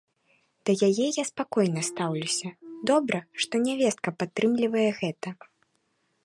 Да яе я спакойна стаўлюся, добра, што нявестка падтрымлівае гэта.